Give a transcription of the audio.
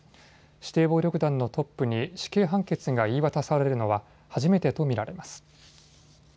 指定暴力団のトップに死刑判決が言い渡されるのは初めてと見られます。